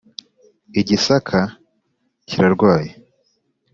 i gisaka kirarwaye